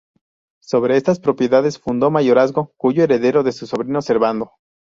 Sobre estas propiedades fundó mayorazgo cuyo heredero fue su sobrino Servando.